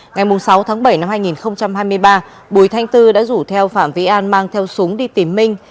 ngày sáu tháng bảy năm hai nghìn hai mươi ba bùi thanh tư đã rủ theo phạm vĩ an mang theo súng đi tìm minh